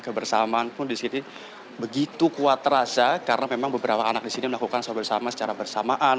kebersamaan pun disini begitu kuat terasa karena memang beberapa anak disini melakukan sholat bersama secara bersamaan